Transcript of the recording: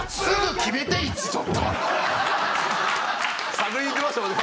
探り入れてましたもんね。